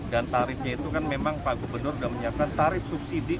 dan tarifnya itu kan memang pak gubernur sudah menyiapkan tarif subsidi